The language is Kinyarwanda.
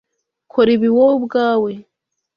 Kora ibi wowe ubwawe.